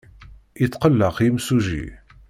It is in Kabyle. Yetqelleq yimsujji.